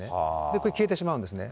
これは消えてしまうんですね。